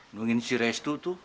nungin si restu itu